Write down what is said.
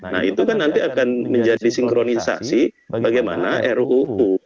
nah itu kan nanti akan menjadi sinkronisasi bagaimana ruu